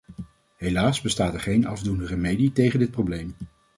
Helaas bestaat er geen afdoende remedie tegen dit probleem.